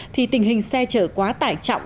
thì tình hình xe trở quá tải trọng